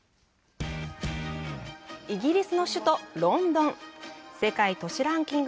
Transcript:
イギリスの首都、ロンドン。